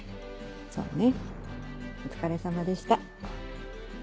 そうねお疲れさまでした。